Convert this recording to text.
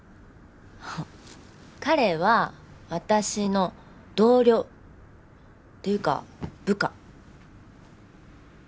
彼は私の同僚。っていうか部下。